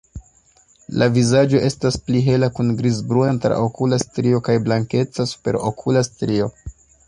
La vizaĝo estas pli hela kun grizbruna traokula strio kaj blankeca superokula strio.